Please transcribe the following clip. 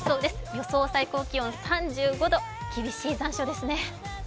予想最高気温３５度、厳しい残暑ですね。